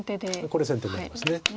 これ先手になります。